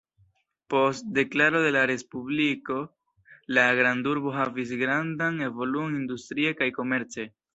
Post deklaro de la respubliko la grandurbo havis grandan evoluon industrie kaj komerce.